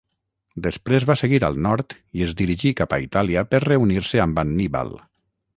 Després va seguir al nord i es dirigí cap a Itàlia per reunir-se amb Anníbal.